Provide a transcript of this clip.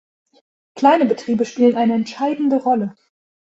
Kleine Betriebe spielen eine entscheidende Rolle.